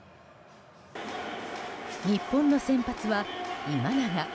日本の先発は今永。